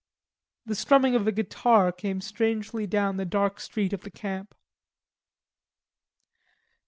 The strumming of a guitar came strangely down the dark street of the camp.